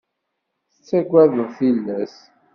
Tettagadeḍ tillas?